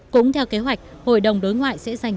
cũng theo kế hoạch hội đồng đối ngoại sẽ dành